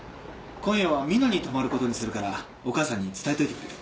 今夜は美濃に泊まることにするからお母さんに伝えといてくれる？